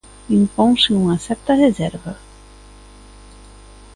Imponse unha certa reserva.